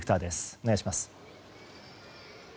お願いします。